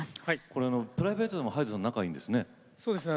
これプライベートでもＨＹＤＥさんと仲がいいんですね。